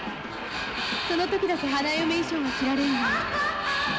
「その時だけ花嫁衣装が着られるのよ」。